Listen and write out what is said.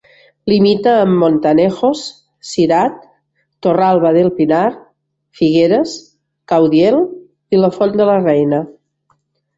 Limita amb Montanejos, Cirat, Torralba del Pinar, Figueres, Caudiel i La Font de la Reina.